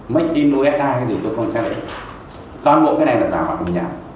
mình đi nối ai ta hay gì tôi không xem đến toàn bộ cái này là giả mạo bởi nhãn